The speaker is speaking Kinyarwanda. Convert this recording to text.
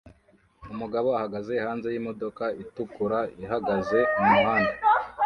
Umugabo ahagaze hanze yimodoka itukura ihagaze mumuhanda